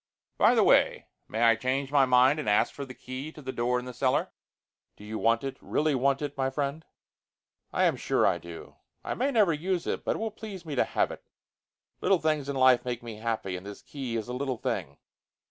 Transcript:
By the way, may I change my mind and ask for the key to the door in the cellar?" "Do you want it, really want it, my friend?" "I am sure I do. I may never use it, but it will please me to have it. Little things in life make me happy, and this key is a little thing."